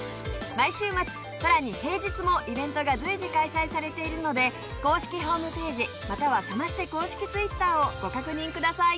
毎週末さらに平日もイベントが随時開催されているので公式ホームページまたはサマステ公式Ｔｗｉｔｔｅｒをご確認ください。